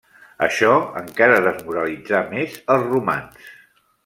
Això encara desmoralitzà més els romans.